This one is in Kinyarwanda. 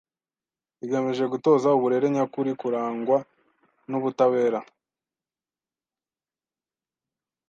Igamije gutoza uburere nyakuri burangwa n’ubutabera